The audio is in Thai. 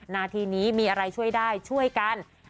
นาทีนี้มีอะไรช่วยได้ช่วยกัน